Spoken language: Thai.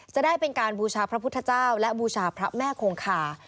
จะได้เป็นการบูชาพระพุทธเจ้าและบูชาพระแม่คงคา